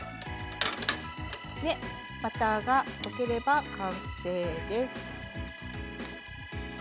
バターが溶ければ完成です。